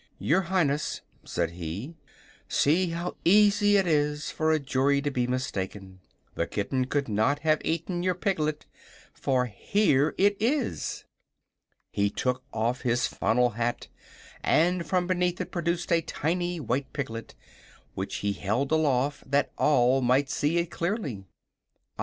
"Your Highness," said he, "see how easy it is for a jury to be mistaken. The kitten could not have eaten your piglet for here it is!" He took off his funnel hat and from beneath it produced a tiny white piglet, which he held aloft that all might see it clearly.